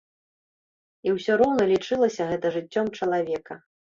І ўсё роўна лічылася гэта жыццём чалавека.